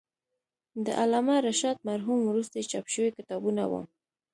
د علامه رشاد مرحوم وروستي چاپ شوي کتابونه و.